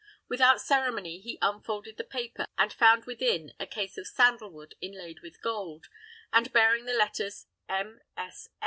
Without ceremony he unfolded the paper, and found within a case of sandal wood inlaid with gold, and bearing the letters M.